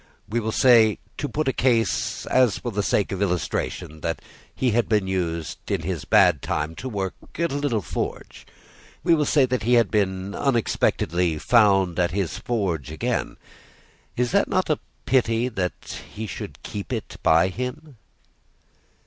We will say, to put a case and for the sake of illustration, that he had been used, in his bad time, to work at a little forge. We will say that he was unexpectedly found at his forge again. Is it not a pity that he should keep it by him?"